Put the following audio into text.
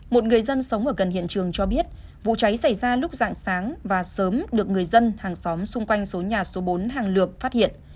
một người dân sống ở gần hiện trường cho biết vụ cháy xảy ra lúc dạng sáng và sớm được người dân hàng xóm xung quanh số nhà số bốn hàng lược phát hiện